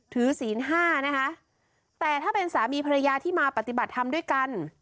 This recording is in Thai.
ศีลห้านะคะแต่ถ้าเป็นสามีภรรยาที่มาปฏิบัติธรรมด้วยกัน